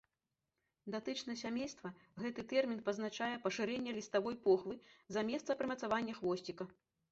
Датычна сямейства гэты тэрмін пазначае пашырэнне ліставой похвы за месца прымацавання хвосціка.